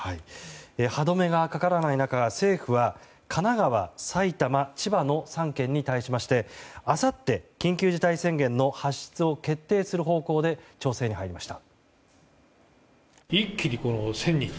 歯止めがかからない中政府は神奈川、埼玉千葉の３県に対しましてあさって緊急事態宣言の発出を決定する方向で調整に入りました。